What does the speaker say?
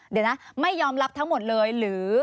เดี๋ยวนะไม่ยอมรับทั้งหมดเลยหรือ